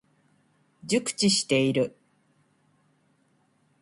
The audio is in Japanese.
熟知している。